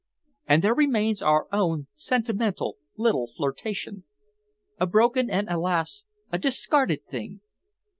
And there remains our own sentimental little flirtation, a broken and, alas, a discarded thing!